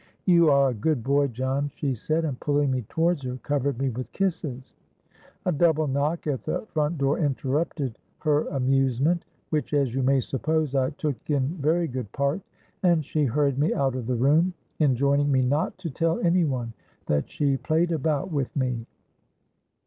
—'You are a good boy, John,' she said; and pulling me towards her, covered me with kisses. A double knock at the front door interrupted her amusement, which, as you may suppose, I took in very good part; and she hurried me out of the room, enjoining me not to tell any one that she played about with me.